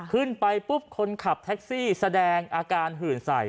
ขึ้นไปปุ๊บคนขับแท็กซี่แสดงอาการหื่นใส่